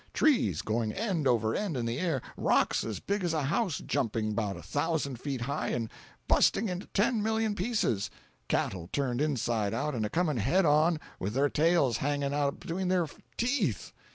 —trees going end over end in the air, rocks as big as a house jumping 'bout a thousand feet high and busting into ten million pieces, cattle turned inside out and a coming head on with their tails hanging out between their teeth!